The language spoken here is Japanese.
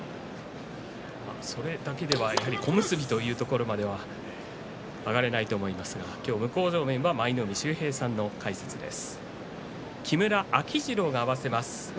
それだけでは、やはり小結というところまでは上がれないと思いますが今日、向正面は舞の海秀平さんの解説です。